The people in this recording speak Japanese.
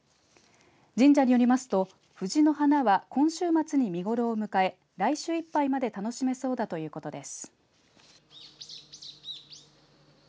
神社によりますと、藤の花は今週末に見頃を迎え来週いっぱいまで楽しめそうだということです。